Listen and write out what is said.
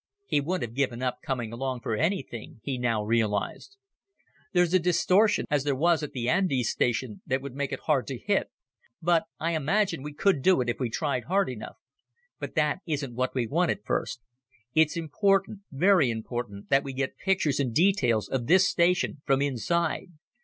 He wouldn't have given up coming along for anything, he now realized. "There's a distortion, as there was at the Andes station, that would make it hard to hit. But I imagine we could do it if we tried hard enough. But that isn't what we want at first. It's important, very important, that we get pictures and details of this station from inside.